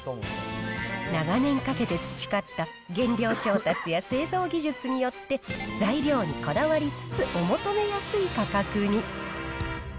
長年かけて培った原料調達や製造技術によって、材料にこだわりつつ、お求めやすい価格に。